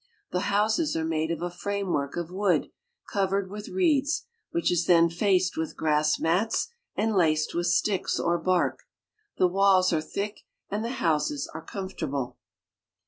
The houses are made of a framework ; wood, covered with reeds, which is then faced with i mats and laced with sticks or bark. The walls are Aiick, and the houses are comfortable.